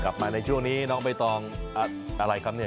กลับมาในช่วงนี้น้องเบ๊ตองอะไรนะคะ